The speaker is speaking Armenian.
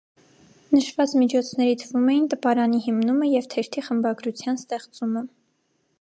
Նշված միջոցների թվում էին տպարանի հիմնումը և թերթի խմբագրության ստեղծումը։